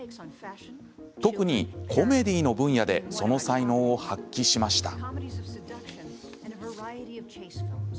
特にコメディーの分野でその才能を発揮しました。